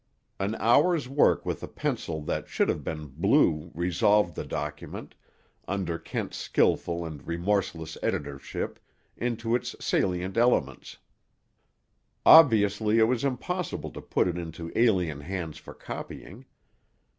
An hour's work with a pencil that should have been blue resolved the document, under Kent's skilful and remorseless editorship, into its salient elements. Obviously it was impossible to put it into alien hands for copying.